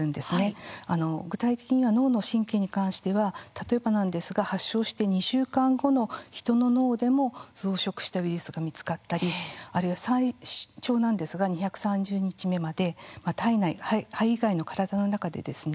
具体的には脳の神経に関しては例えばなんですが発症して２週間後のヒトの脳でも増殖したウイルスが見つかったりあるいは最長なんですが２３０日目まで体内肺以外の体の中でですね